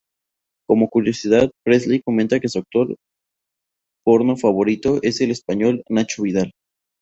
Como curiosidad, Presley comenta que su actor porno favorito es el español Nacho Vidal.